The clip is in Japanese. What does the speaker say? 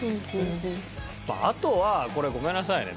あとはこれごめんなさいね